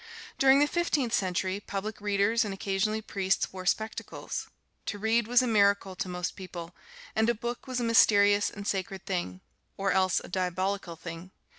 During the Fifteenth Century, public readers and occasionally priests wore spectacles. To read was a miracle to most people, and a book was a mysterious and sacred thing or else a diabolical thing.